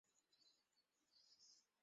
ছবি টবি দেখো।